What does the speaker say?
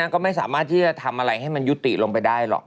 ก็ไม่สามารถที่จะทำอะไรให้มันยุติลงไปได้หรอก